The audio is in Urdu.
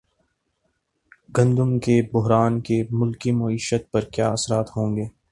گندم کے بحران کے ملکی معیشت پر کیا اثرات ہوں گے